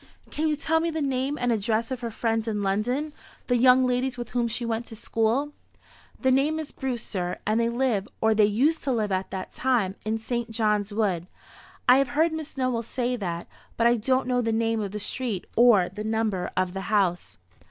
"Can you tell me the name and address of her friends in London the young ladies with whom she went to school?" "The name is Bruce, sir; and they live, or they used to live at that time, in St. John's wood. I have heard Miss Nowell say that, but I don't know the name of the street or number of the house."